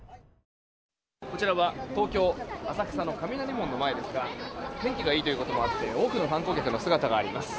こちらは東京・浅草の雷門の前ですが天気がいいということもあって多くの観光客の姿があります。